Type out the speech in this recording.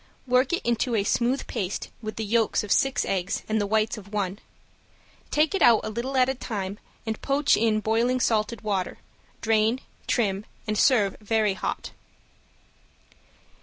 Work it into a smooth paste with the yolks of six eggs and the whites of one. Take it out a little at a time and poach in boiling salted water, drain, trim, and serve very hot.